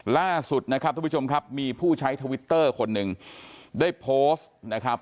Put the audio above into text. ล่าสุดนะครับทุกผู้ชมครับมีผู้ใช้ทวิตเตอร์คนหนึ่งได้โพสต์นะครับ